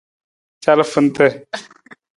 Calafanta.